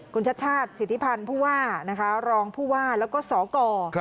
คุณชาติชาติสิทธิพันธ์ผู้ว่านะคะรองผู้ว่าแล้วก็สก